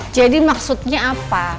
jadi maksudnya apa